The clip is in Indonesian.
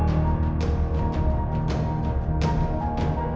kamu sudah dia